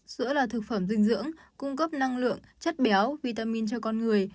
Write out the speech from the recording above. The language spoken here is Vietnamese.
sữa là thực phẩm dinh dưỡng cung cấp năng lượng chất béo vitamin cho con người